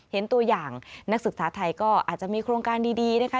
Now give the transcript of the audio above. เห็นตัวอย่างนักศึกษาไทยก็อาจจะมีโครงการดีนะคะ